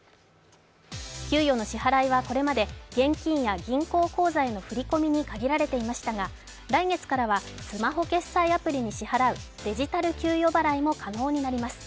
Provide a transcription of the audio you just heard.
給与の支払いはこれまで現金や銀行口座の振込に限られていましたが来月からはスマホ決済アプリに支払うデジタル給与払いも可能になります。